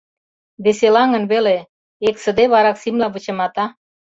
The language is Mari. Веселаҥын веле — эксыде вараксимла вычымата.